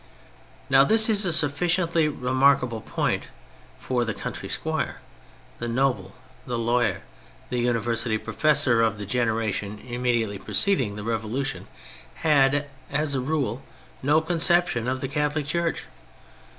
Now this is a sufficiently remarkable point, for the country squire, the noble, the lawyer, the university professor of the generation im mediately preceding the Revolution had, as a rule, no conception of the Catholic Church.